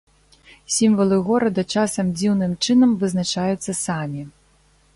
Сімвалы горада часам дзіўным чынам вызначаюцца самі.